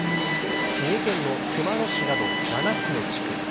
三重県の熊野市など７つの地区